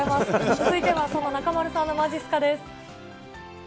続いては、その中丸さんのまじっすかです。